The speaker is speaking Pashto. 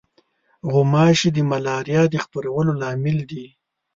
غوماشې د ملاریا د خپرولو لامل دي.